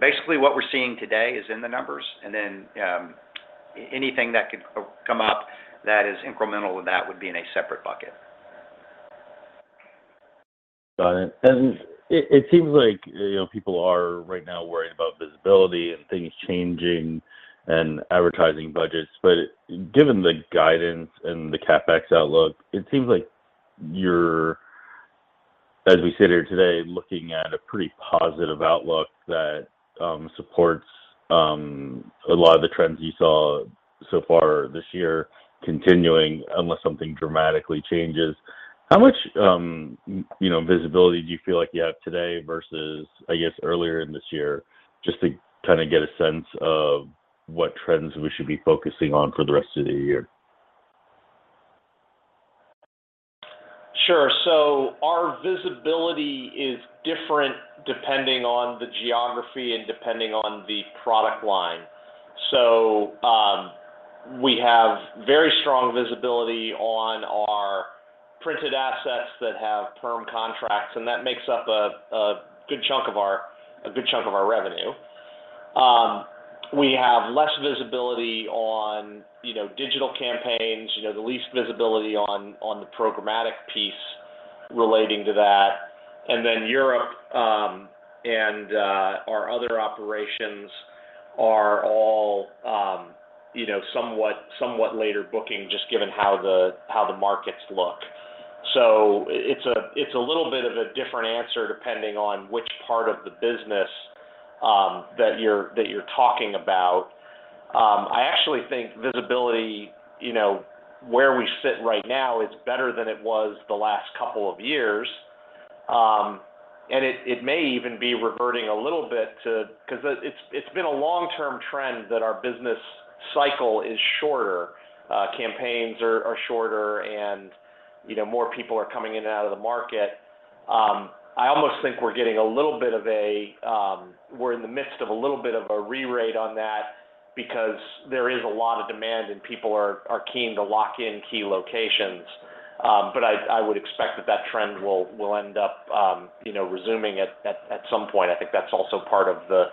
[SPEAKER 3] Basically what we're seeing today is in the numbers, and then anything that could come up that is incremental with that would be in a separate bucket.
[SPEAKER 10] Got it. It seems like, you know, people are right now worried about visibility and things changing and advertising budgets, but given the guidance and the CapEx outlook, it seems like you're, as we sit here today, looking at a pretty positive outlook that supports a lot of the trends you saw so far this year continuing unless something dramatically changes. How much you know visibility do you feel like you have today versus, I guess, earlier in this year, just to kind of get a sense of what trends we should be focusing on for the rest of the year?
[SPEAKER 3] Sure. Our visibility is different depending on the geography and depending on the product line. We have very strong visibility on our printed assets that have firm contracts, and that makes up a good chunk of our revenue. We have less visibility on, you know, digital campaigns, you know, the least visibility on the programmatic piece relating to that. Europe and our other operations are all, you know, somewhat later booking just given how the markets look. It's a little bit of a different answer depending on which part of the business that you're talking about. I actually think visibility, you know, where we sit right now is better than it was the last couple of years. It may even be reverting a little bit, 'cause it's been a long-term trend that our business cycle is shorter, campaigns are shorter, and you know more people are coming in and out of the market. I almost think we're in the midst of a little bit of a re-rate on that because there is a lot of demand and people are keen to lock in key locations. I would expect that trend will end up you know resuming at some point. I think that's also part of the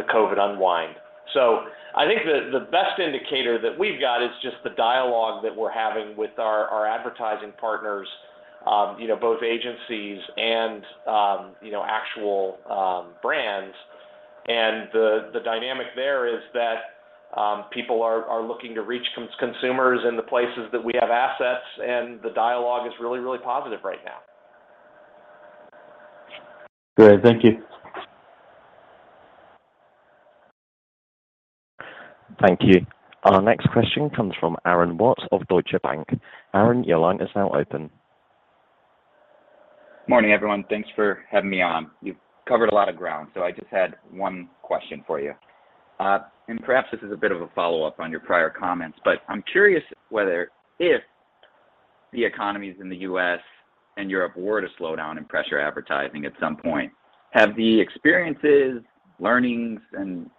[SPEAKER 3] COVID unwind. I think the best indicator that we've got is just the dialogue that we're having with our advertising partners, you know, both agencies and, you know, actual brands. The dynamic there is that people are looking to reach consumers in the places that we have assets, and the dialogue is really positive right now.
[SPEAKER 10] Great. Thank you.
[SPEAKER 1] Thank you. Our next question comes from Aaron Watts of Deutsche Bank. Aaron, your line is now open.
[SPEAKER 11] Morning, everyone. Thanks for having me on. You've covered a lot of ground, so I just had one question for you. Perhaps this is a bit of a follow-up on your prior comments, but I'm curious whether if the economies in the U.S. and Europe were to slow down and pressure advertising at some point, have the experiences, learnings, and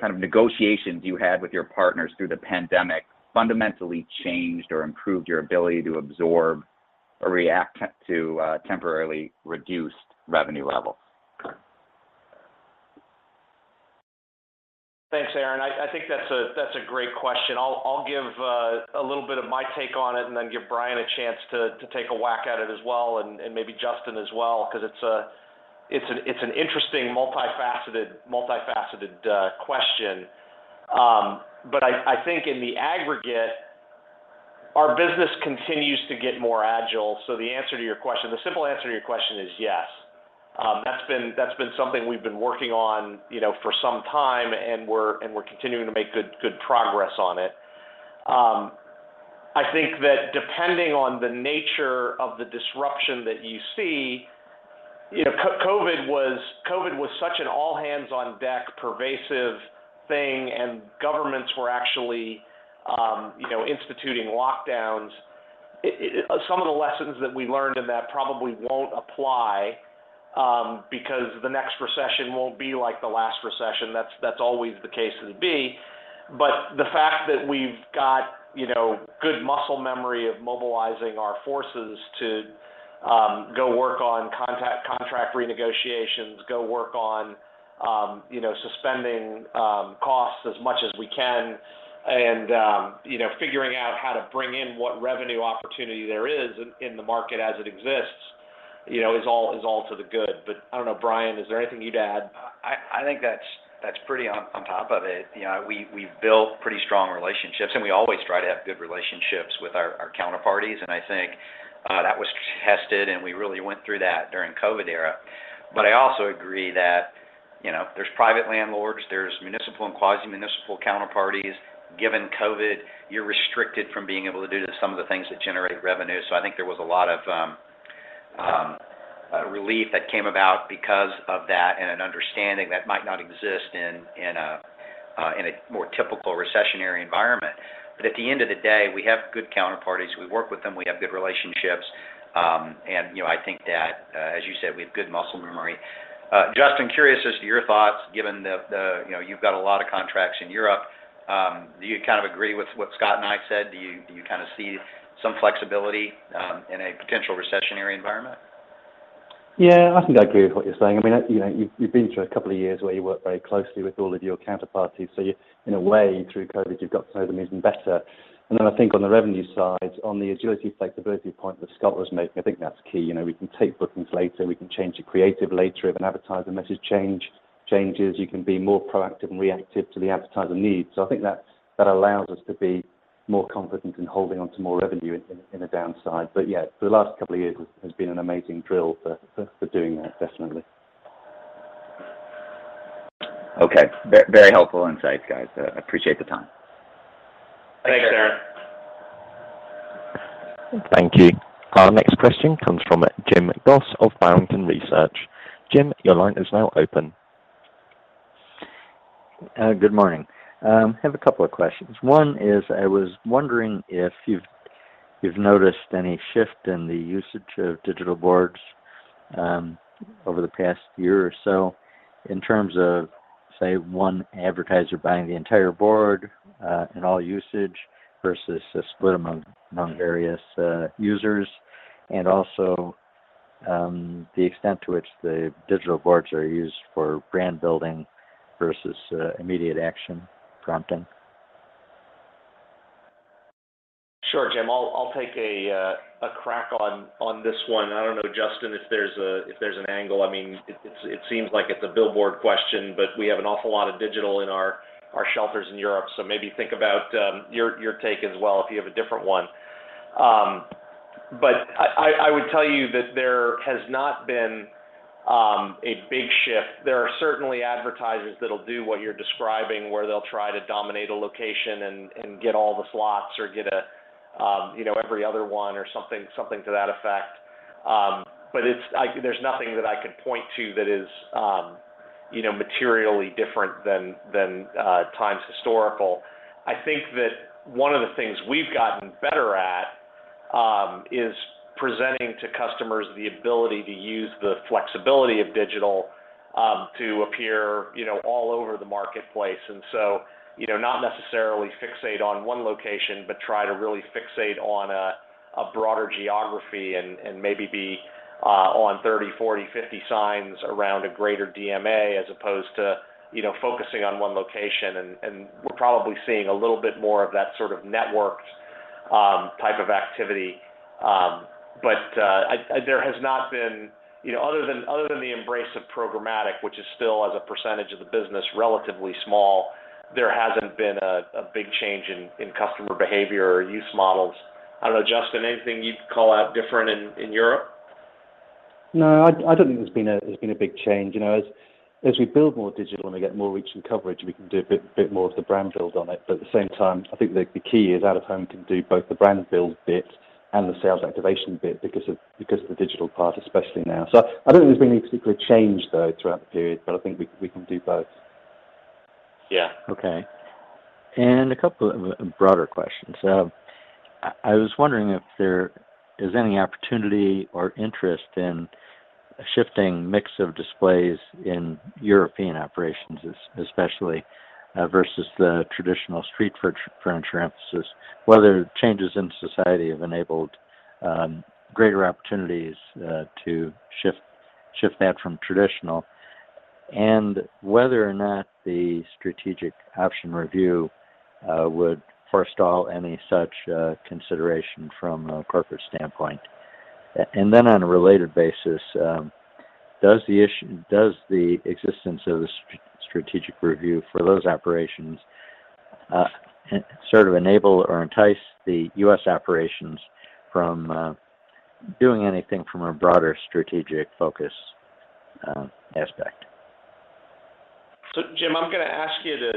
[SPEAKER 11] kind of negotiations you had with your partners through the pandemic fundamentally changed or improved your ability to absorb or react to temporarily reduced revenue levels?
[SPEAKER 3] Thanks, Aaron. I think that's a great question. I'll give a little bit of my take on it and then give Brian a chance to take a whack at it as well and maybe Justin as well, because it's an interesting multifaceted question. I think in the aggregate, our business continues to get more agile. The answer to your question, the simple answer to your question is yes. That's been something we've been working on, you know, for some time, and we're continuing to make good progress on it. I think that depending on the nature of the disruption that you see, you know, COVID was such an all hands on deck pervasive thing and governments were actually, you know, instituting lockdowns. Some of the lessons that we learned in that probably won't apply, because the next recession won't be like the last recession. That's always the case to be. The fact that we've got, you know, good muscle memory of mobilizing our forces to go work on contract renegotiations, go work on, you know, suspending costs as much as we can and, you know, figuring out how to bring in what revenue opportunity there is in the market as it exists, you know, is all to the good. I don't know, Brian, is there anything you'd add?
[SPEAKER 10] I think that's pretty on top of it. You know, we've built pretty strong relationships, and we always try to have good relationships with our counterparties. I think
[SPEAKER 3] That was tested, and we really went through that during COVID era. I also agree that, you know, there's private landlords, there's municipal and quasi-municipal counterparties. Given COVID, you're restricted from being able to do some of the things that generate revenue. I think there was a lot of relief that came about because of that and an understanding that might not exist in a more typical recessionary environment. At the end of the day, we have good counterparties. We work with them, we have good relationships, and you know, I think that, as you said, we have good muscle memory. Justin, curious as to your thoughts, given the, you know, you've got a lot of contracts in Europe, do you kind of agree with what Scott and I said? Do you kind of see some flexibility in a potential recessionary environment?
[SPEAKER 8] Yeah, I think I agree with what you're saying. I mean, you know, you've been through a couple of years where you work very closely with all of your counterparties, so you, in a way, through COVID, you've got to know them even better. I think on the revenue side, on the agility flexibility point that Scott was making, I think that's key. You know, we can take bookings later, we can change the creative later if an advertiser message changes. You can be more proactive and reactive to the advertiser needs. I think that allows us to be more confident in holding on to more revenue in a downside. Yeah, for the last couple of years has been an amazing drill for doing that, definitely.
[SPEAKER 3] Okay. Very, very helpful insights, guys. Appreciate the time.
[SPEAKER 8] Thanks.
[SPEAKER 4] Thanks, Aaron.
[SPEAKER 1] Thank you. Our next question comes from Jim Goss of Barrington Research. Jim, your line is now open.
[SPEAKER 12] Good morning. Have a couple of questions. One is, I was wondering if you've noticed any shift in the usage of digital boards over the past year or so in terms of, say, one advertiser buying the entire board and all usage versus a split among various users? Also, the extent to which the digital boards are used for brand building versus immediate action prompting.
[SPEAKER 3] Sure, Jim. I'll take a crack on this one. I don't know, Justin, if there's an angle. I mean, it seems like it's a billboard question, but we have an awful lot of digital in our shelters in Europe, so maybe think about your take as well if you have a different one. I would tell you that there has not been a big shift. There are certainly advertisers that'll do what you're describing, where they'll try to dominate a location and get all the slots or get a you know, every other one or something to that effect. There's nothing that I could point to that is you know, materially different than times historical. I think that one of the things we've gotten better at is presenting to customers the ability to use the flexibility of digital to appear, you know, all over the marketplace. You know, not necessarily fixate on one location, but try to really fixate on a broader geography and maybe be on 30, 40, 50 signs around a greater DMA as opposed to, you know, focusing on one location. We're probably seeing a little bit more of that sort of networked type of activity. There has not been, you know, other than the embrace of programmatic, which is still as a percentage of the business relatively small, there hasn't been a big change in customer behavior or use models. I don't know, Justin, anything you'd call out different in Europe?
[SPEAKER 8] No, I don't think there's been a big change. You know, as we build more digital and we get more reach and coverage, we can do a bit more of the brand build on it. At the same time, I think the key is out-of-home can do both the brand build bit and the sales activation bit because of the digital part, especially now. I don't think there's been any particular change though throughout the period, but I think we can do both.
[SPEAKER 3] Yeah.
[SPEAKER 12] Okay. A couple of broader questions. I was wondering if there is any opportunity or interest in shifting mix of displays in European operations especially versus the traditional street furniture emphasis, whether changes in society have enabled greater opportunities to shift that from traditional, and whether or not the strategic option review would forestall any such consideration from a corporate standpoint. Then on a related basis, does the existence of the strategic review for those operations sort of enable or entice the U.S. operations from doing anything from a broader strategic focus aspect?
[SPEAKER 3] Jim, I'm gonna ask you to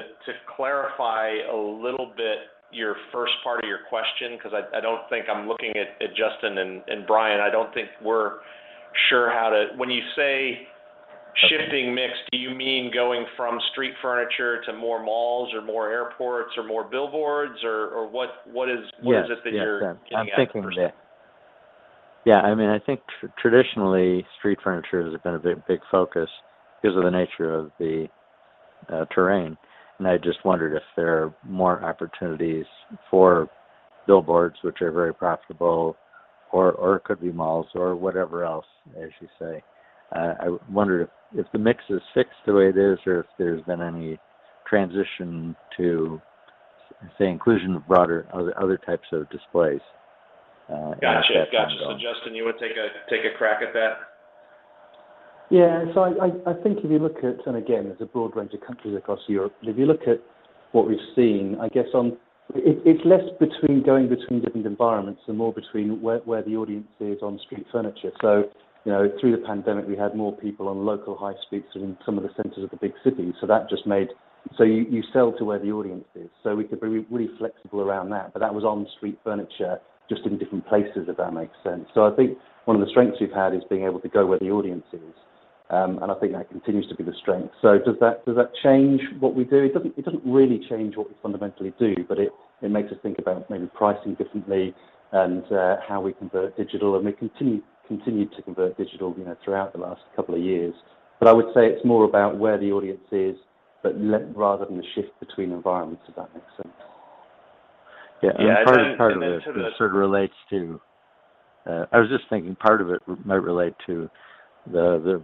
[SPEAKER 3] clarify a little bit your first part of your question because I don't think I'm looking at Justin and Brian. I don't think we're sure how to. When you say shifting mix
[SPEAKER 12] Okay.
[SPEAKER 3] Do you mean going from street furniture to more malls or more airports or more billboards or what is?
[SPEAKER 12] Yes. Yes.
[SPEAKER 3] What is it that you're getting at?
[SPEAKER 12] I'm thinking that. Yeah, I mean, I think traditionally, street furniture has been a big focus because of the nature of the terrain. I just wondered if there are more opportunities for billboards which are very profitable or it could be malls or whatever else, as you say. I wonder if the mix is fixed the way it is or if there's been any transition to, say, inclusion of broader other types of displays in that spectrum.
[SPEAKER 3] Gotcha. Justin, you would take a crack at that?
[SPEAKER 8] Yeah. I think if you look at, and again, there's a broad range of countries across Europe, but if you look at what we've seen, I guess. It's less between going between different environments and more between where the audience is on street furniture. You know, through the pandemic, we had more people on local high streets than in some of the centers of the big cities. That just made you sell to where the audience is. We could be really flexible around that. That was on street furniture, just in different places, if that makes sense. I think one of the strengths we've had is being able to go where the audience is. I think that continues to be the strength. Does that change what we do? It doesn't really change what we fundamentally do, but it makes us think about maybe pricing differently and how we convert digital. We continued to convert digital, you know, throughout the last couple of years. I would say it's more about where the audience is, rather than the shift between environments. Does that make sense?
[SPEAKER 12] Yeah. Part of it sort of relates to. I was just thinking, part of it might relate to the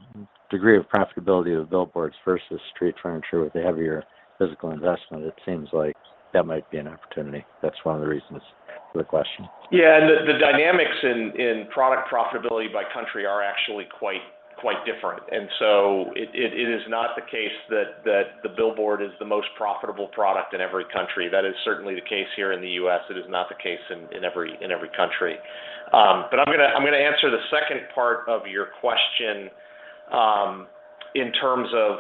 [SPEAKER 12] degree of profitability of billboards versus street furniture with the heavier physical investment. It seems like that might be an opportunity. That's one of the reasons for the question.
[SPEAKER 3] Yeah. The dynamics in product profitability by country are actually quite different. It is not the case that the billboard is the most profitable product in every country. That is certainly the case here in the U.S. It is not the case in every country. But I'm gonna answer the second part of your question in terms of.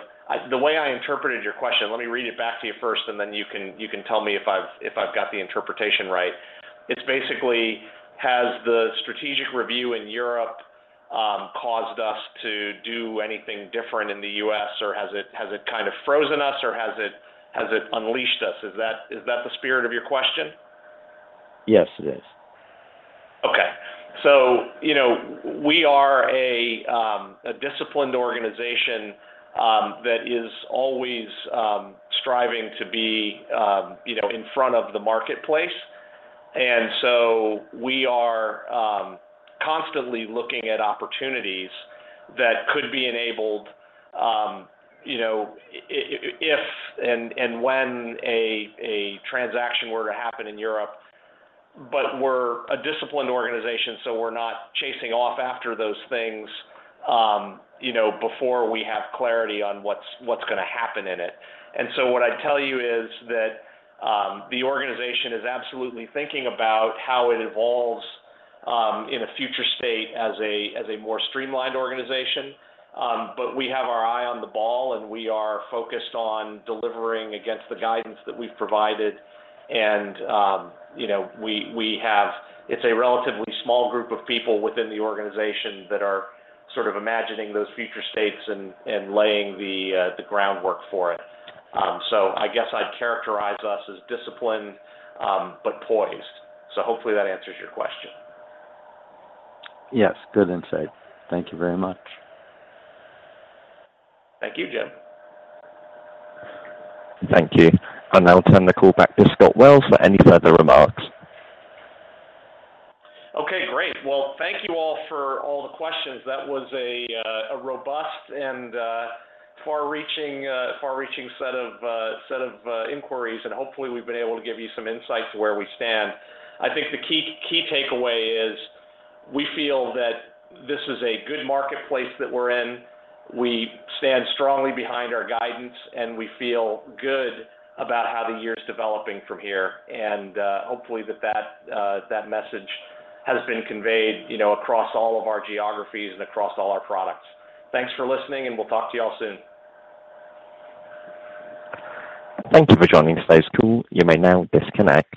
[SPEAKER 3] The way I interpreted your question, let me read it back to you first, and then you can tell me if I've got the interpretation right. It's basically has the strategic review in Europe caused us to do anything different in the U.S. or has it kind of frozen us or has it unleashed us? Is that the spirit of your question?
[SPEAKER 12] Yes, it is.
[SPEAKER 3] Okay. You know, we are a disciplined organization that is always striving to be, you know, in front of the marketplace. We are constantly looking at opportunities that could be enabled, you know, if and when a transaction were to happen in Europe. We're a disciplined organization, so we're not chasing off after those things, you know, before we have clarity on what's gonna happen in it. What I'd tell you is that the organization is absolutely thinking about how it evolves in a future state as a more streamlined organization. We have our eye on the ball, and we are focused on delivering against the guidance that we've provided. You know, we have. It's a relatively small group of people within the organization that are sort of imagining those future states and laying the groundwork for it. I guess I'd characterize us as disciplined, but poised. Hopefully that answers your question.
[SPEAKER 12] Yes. Good insight. Thank you very much.
[SPEAKER 3] Thank you, Jim.
[SPEAKER 1] Thank you. I'll now turn the call back to Scott Wells for any further remarks.
[SPEAKER 3] Okay. Great. Well, thank you all for all the questions. That was a robust and far-reaching set of inquiries, and hopefully we've been able to give you some insight to where we stand. I think the key takeaway is we feel that this is a good marketplace that we're in. We stand strongly behind our guidance, and we feel good about how the year's developing from here. Hopefully that message has been conveyed, you know, across all of our geographies and across all our products. Thanks for listening, and we'll talk to you all soon.
[SPEAKER 1] Thank you for joining today's call. You may now disconnect.